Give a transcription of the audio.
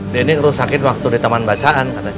denny rusakin waktu di teman bacaan katanya